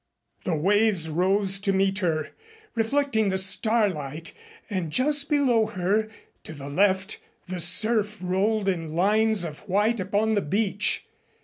The waves rose to meet her, reflecting the starlight, and just below her to the left the surf rolled in lines of white upon the beach.